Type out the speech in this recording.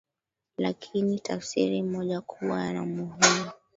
lakini tafsiri moja kubwa na muhimu